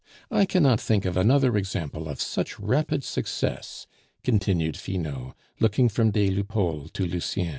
"I cannot think of another example of such rapid success," continued Finot, looking from des Lupeaulx to Lucien.